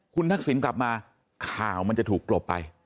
คุณทักษิณกลับมาข่าวมันจะถูกกลบไป